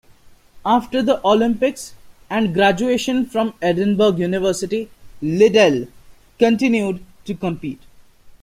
After the Olympics and graduation from Edinburgh University, Liddell continued to compete.